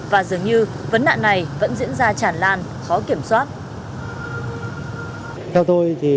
và dường như vấn nạn này vẫn diễn ra chản lan khó kiểm soát